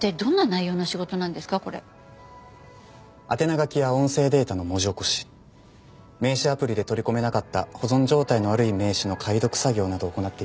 宛名書きや音声データの文字起こし名刺アプリで取り込めなかった保存状態の悪い名刺の解読作業などを行っています。